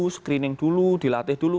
screening dulu dilatih dulu